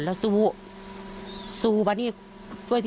แล้วสู้สู้แบบนี้